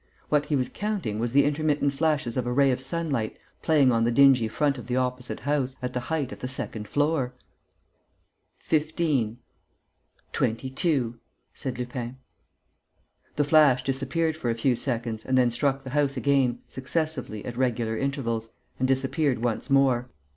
What he was counting was the intermittent flashes of a ray of sunlight playing on the dingy front of the opposite house, at the height of the second floor! "15, 22 ..." said Lupin. The flash disappeared for a few seconds and then struck the house again, successively, at regular intervals, and disappeared once more.